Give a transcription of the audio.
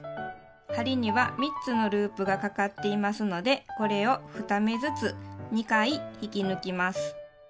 針には３つのループがかかっていますのでこれを２目ずつ２回引き抜きます。